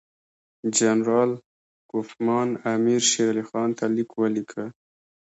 جنرال کوفمان امیر شېر علي خان ته لیک ولیکه.